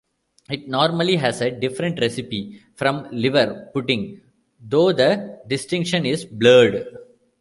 It normally has a different recipe from liver pudding, though the distinction is blurred.